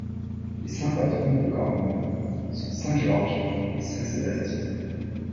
Les saints patrons de Qormi sont saint Georges et saint Sébastien.